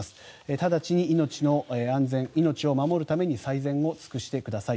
直ちに命の安全命を守るために最善を尽くしてください。